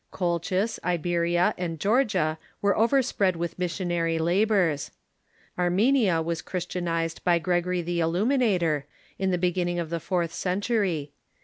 Colchis, Iberia, and Georgia were overspread with missionary laborers. Armenia was Christian ized by Gregory the Illuminator, in the beginning of the fourth century.